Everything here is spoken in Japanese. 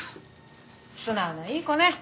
素直ないい子ね。